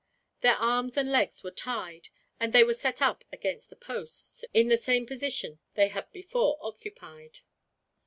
Their arms and legs were tied, and they were set up against the posts, in the same position they had before occupied.